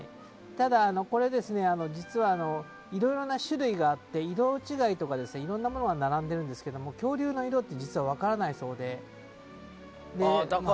ただ実はいろいろな種類があり色違いとか色んなものが並んでいるんですけど恐竜の色って実は分からないそうで。